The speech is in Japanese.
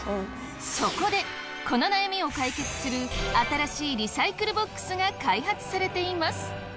そこでこの悩みを解決する新しいリサイクルボックスが開発されています。